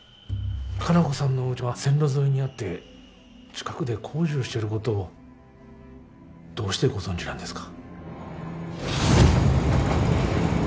加奈子さんのおうちが線路沿いにあって近くで工事をしていることをどうしてご存じなんですか？